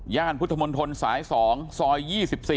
พุทธมนตรสาย๒ซอย๒๔